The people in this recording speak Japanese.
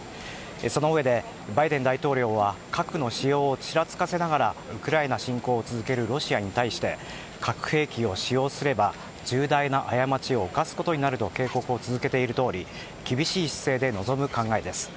そのうえでバイデン大統領は核の使用をちらつかせながらウクライナ侵攻を続けるロシアに対して核兵器を使用すれば重大な過ちを犯すことになると警告を続けているとおり厳しい姿勢で臨む考えです。